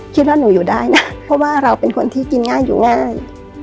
คิดว่าหนูอยู่ได้นะเพราะว่าเราเป็นคนที่กินง่ายอยู่ง่าย